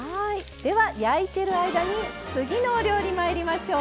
焼いている間に次のお料理、まいりましょう。